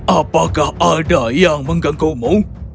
apakah ada yang mengganggu mu